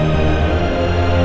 pasti ada kesalahan